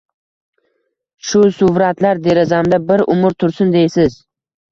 Shu suvratlar derazamda bir umr tursin deysiz